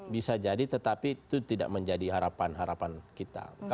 bisa jadi tetapi itu tidak menjadi harapan harapan kita